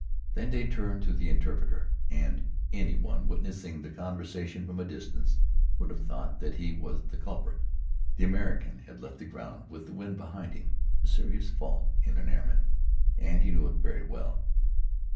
Then they turned to the interpreter, and any one witnessing the conversation from a distance would have thought that he was the culprit. The American had left the ground with the wind behind him, a serious fault in an airman, and he knew it very well.